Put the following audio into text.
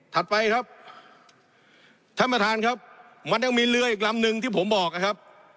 ไปครับท่านประธานครับมันยังมีเรืออีกลำนึงที่ผมบอกนะครับ